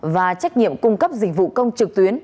và trách nhiệm cung cấp dịch vụ công trực tuyến